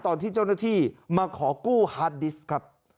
ตอนที่เจ้าหน้าที่มาขอกู้ฮาร์ดดิสต์ครับ